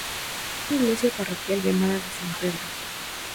Tenía una iglesia parroquial llamada de San Pedro.